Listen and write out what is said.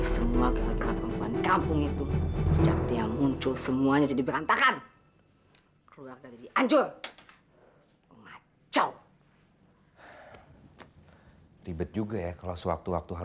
sampai jumpa di video selanjutnya